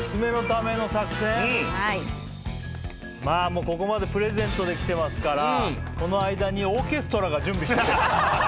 まあもうここまでプレゼントできてますからこの間にオーケストラが準備してて。